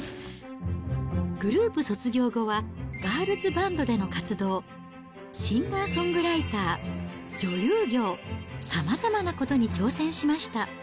グループ卒業後はガールズバンドでの活動、シンガーソングライター、女優業、さまざまなことに挑戦しました。